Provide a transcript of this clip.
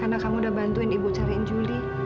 karena kamu udah bantuin ibu cariin juli